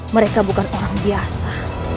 mereka bukan orang biasa